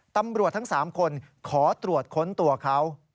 ตำรวจทั้ง๓คนขอตรวจค้นตัวเขา